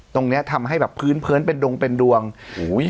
ตรงเนี้ยทำให้แบบพื้นเพลินเป็นดงเป็นดวงอุ้ย